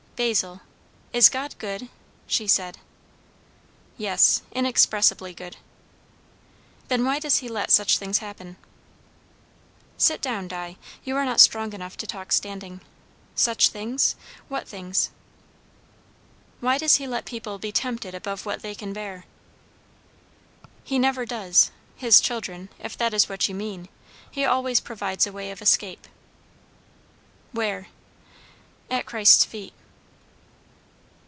"Basil is God good?" she said. "Yes. Inexpressibly good." "Then why does he let such things happen?" "Sit down, Di. You are not strong enough to talk standing. Such things? What things?" "Why does he let people be tempted above what they can bear?" "He never does his children if that is what you mean. He always provides a way of escape." "Where?" "At Christ's feet."